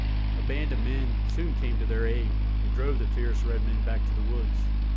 A band of men soon came to their aid, and drove the fierce red men back to the woods.